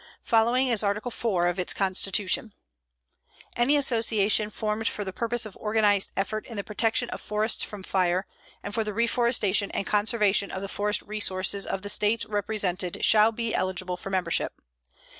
Following is Article IV of its constitution: "Any association formed for the purpose of organized effort in the protection of forests from fire and for the reforestation and conservation of the forest resources of the States represented shall be eligible for membership.